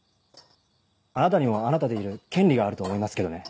あなたにもあなたでいる権利があると思いますけどね。